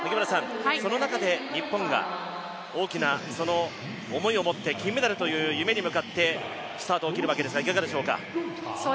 その中で、日本が大きな思いを持って金メダルという夢に向かってスタートを切るわけですがいかがですか？